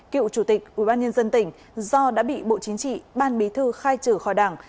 cựu chủ tịch ủy ban nhân dân tỉnh do đã bị bộ chính trị ban bí thư khai trừ khỏi đảng